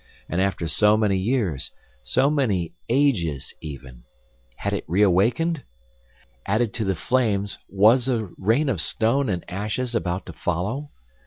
And after so many years, so many ages even, had it reawakened? Added to the flames, was a rain of stones and ashes about to follow?